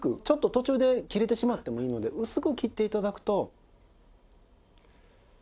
ちょっと途中で切れてしまってもいいので薄く切って頂くと。